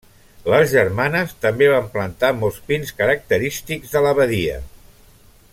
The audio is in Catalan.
Les germanes també van plantar molt pins característics de la badia.